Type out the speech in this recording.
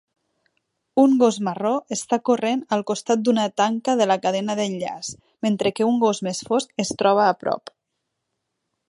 Un gos marró està corrent al costat d'una tanca de la cadena d'enllaç, mentre que un gos més fosc es troba a prop.